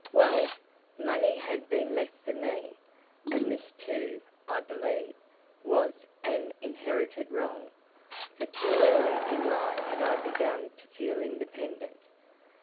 Well, money had been left for me, and this too, I believe, was an inherited wrong, for too early in life had I begun to feel independent.